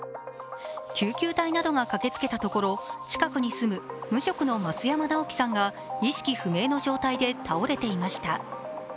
救急隊などが駆けつけたところ近くに住む無職の増山直樹さんが意識不明の状態で倒れていました。